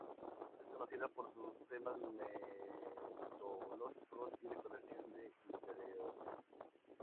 Es conocido por sus temas mitológicos y decoración de interiores.